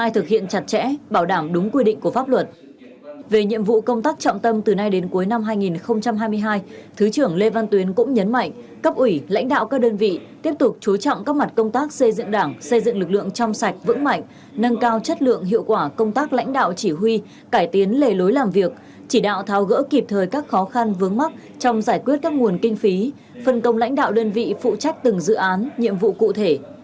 trong công tác trọng tâm từ nay đến cuối năm hai nghìn hai mươi hai thứ trưởng lê văn tuyến cũng nhấn mạnh cấp ủy lãnh đạo các đơn vị tiếp tục chú trọng các mặt công tác xây dựng đảng xây dựng lực lượng trong sạch vững mạnh nâng cao chất lượng hiệu quả công tác lãnh đạo chỉ huy cải tiến lề lối làm việc chỉ đạo thao gỡ kịp thời các khó khăn vướng mắc trong giải quyết các nguồn kinh phí phân công lãnh đạo đơn vị phụ trách từng dự án nhiệm vụ cụ thể